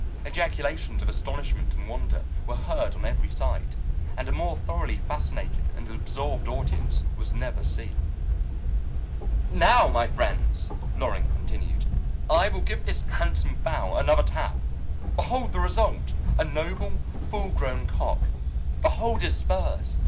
Ejaculations of astonishment and wonder were heard on every side, and a more thoroughly fascinated and absorbed audience was never seen. "Now, my friends," Loring continued, "I will give this handsome fowl another tap. Behold the result a noble, full grown cock! Behold his spurs!